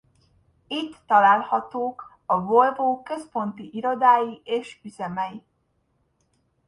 Itt találhatók a Volvo központi irodái és üzemei.